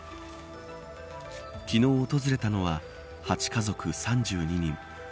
昨日訪れたのは８家族３２人。